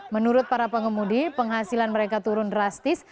menurut para pengemudi penghasilan mereka turun drastis